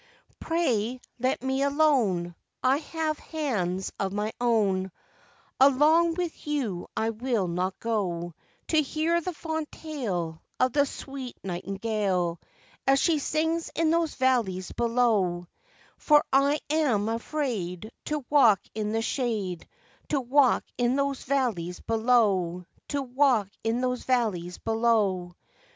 'Pray let me alone, I have hands of my own; Along with you I will not go, To hear the fond tale Of the sweet nightingale, As she sings in those valleys below; For I am afraid To walk in the shade, To walk in those valleys below, To walk in those valleys below.